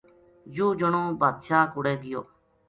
یوہ جنو بادشاہ کوڑے گیو